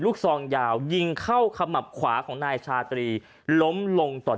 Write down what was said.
ซองยาวยิงเข้าขมับขวาของนายชาตรีล้มลงต่อ